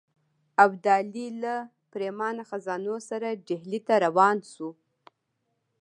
ابدالي له پرېمانه خزانو سره ډهلي ته روان شو.